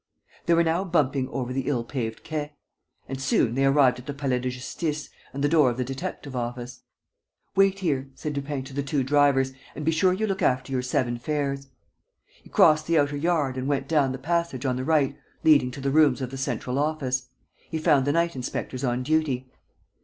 ..." They were now bumping over the ill paved quays. And soon they arrived at the Palais de Justice and the door of the detective office. "Wait here," said Lupin to the two drivers, "and be sure you look after your seven fares." He crossed the outer yard and went down the passage on the right leading to the rooms of the central office. He found the night inspectors on duty.